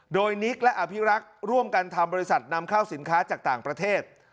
โดยนิกและอภิรักษ์ร่วมกันทำบริษัทนำเข้าสินค้าจากต่างประเทศ